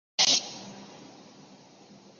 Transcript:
马拉也成为首席部长。